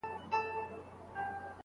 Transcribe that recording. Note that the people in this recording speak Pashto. نه د خیر نه د ریشتیا تمه له چا سته